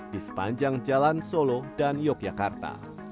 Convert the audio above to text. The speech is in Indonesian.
di sepanjang jalan solo dan yogyakarta